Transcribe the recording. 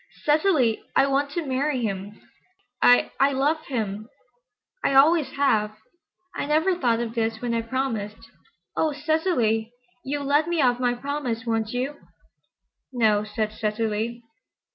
"Cecily, I want to marry him. I—I—love him. I always have. I never thought of this when I promised. Oh, Cecily, you'll let me off my promise, won't you?" "No," said Cecily.